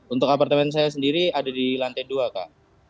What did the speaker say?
untuk apartemen saya sendiri ada di lantai dua kak